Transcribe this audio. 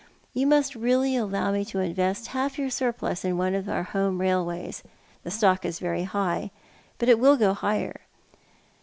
You must really allow me to invest half your surplus in one of our home railways. The stock is very high, but it will go higher."